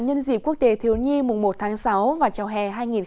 nhân dịp quốc tế thiếu nhi mùng một tháng sáu và chào hè hai nghìn một mươi tám